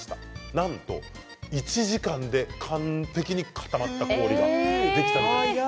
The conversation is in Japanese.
なんと、１時間で完璧に固まった氷ができたと。